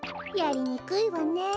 やりにくいわね。